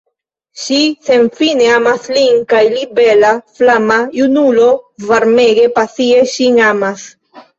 Ŝi senfine amas lin kaj li, bela, flama junulo, varmege, pasie ŝin amas.